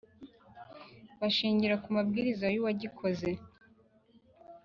bashingira kumabwiriza y’uwagikoze